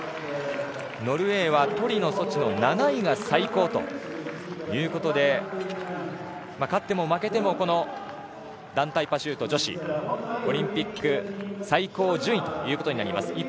ノルウェーはトリノ、ソチの７位が最高ということで勝っても負けても団体パシュート女子オリンピック最高順位となります。